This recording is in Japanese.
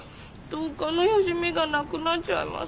同科のよしみがなくなっちゃいます。